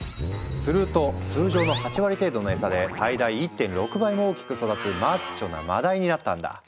すると通常の８割程度の餌で最大１．６倍も大きく育つマッチョなマダイになったんだ。